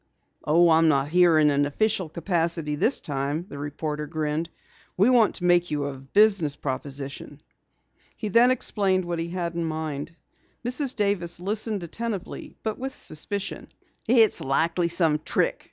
"Oh, I'm not here in an official capacity this time," the reporter grinned. "We want to make you a business proposition." He then explained what he had in mind. Mrs. Davis listened attentively but with suspicion. "It's likely some trick!"